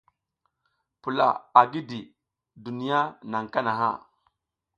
Pula a gidi, duniya naƞ kanaha.